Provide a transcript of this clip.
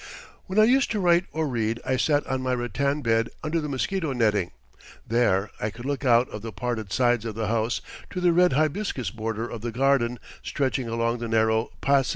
When I used to write or read I sat on my rattan bed under the mosquito netting; there I could look out of the parted sides of the house to the red hibiscus border of the garden stretching along the narrow Pasig.